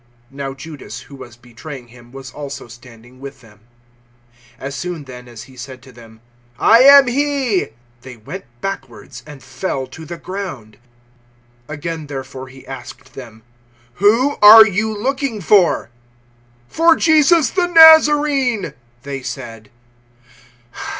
(Now Judas who was betraying Him was also standing with them.) 018:006 As soon then as He said to them, "I am he," they went backwards and fell to the ground. 018:007 Again therefore He asked them, "Who are you looking for?" "For Jesus the Nazarene," they said.